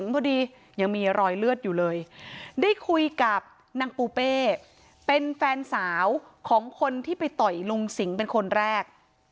เป็นแฟนสาวของคนที่ไปต่อยลุงสิงห์เป็นคนแรก